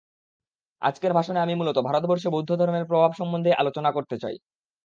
আজকের ভাষণে আমি মূলত ভারতবর্ষে বৌদ্ধধর্মের প্রভাব সম্বন্ধেই আলোচনা করতে চাই।